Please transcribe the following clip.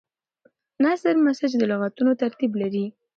نثر مسجع د لغتونو ترتیب لري.